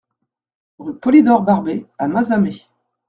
Rue Polydore Barbey à Mazamet